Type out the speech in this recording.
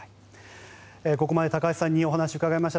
ここまで高橋さんにお話をお伺いしました。